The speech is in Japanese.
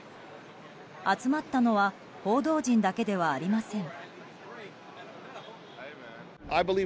集まったのは報道陣だけではありません。